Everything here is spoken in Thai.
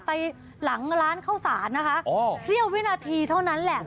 ไปหลังร้านข้าวสารนะคะเสี้ยววินาทีเท่านั้นแหละ